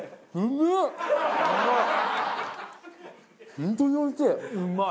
本当においしい。